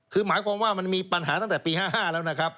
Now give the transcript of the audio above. คือหมายความว่ามันมีปัญหาตั้งแต่ปี๕๕แล้วนะครับ